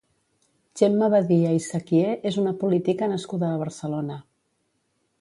Gemma Badia i Cequier és una política nascuda a Barcelona.